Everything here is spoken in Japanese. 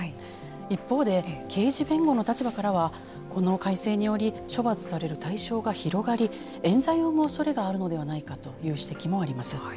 一方で、刑事弁護の立場からはこの改正により処罰される対象が広がりえん罪を生むおそれがあるのではないかという指摘もあります。